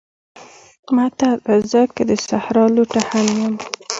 متل: زه که د صحرا لوټه هم یم